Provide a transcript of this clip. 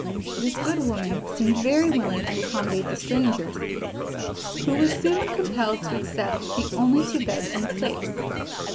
This good woman seemed very willing to accommodate the strangers, who were soon compelled to accept the only two beds in the place.